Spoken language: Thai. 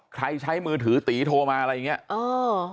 ใช้มือถือตีโทรมาอะไรอย่างนี้